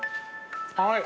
はい。